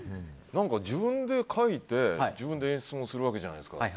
自分で書いて自分で演出もするわけじゃないですか。